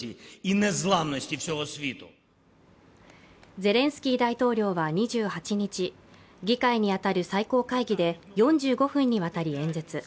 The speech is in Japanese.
ゼレンスキー大統領は２８日議会に当たる最高会議で４５分にわたり演説。